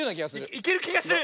いけるきがする！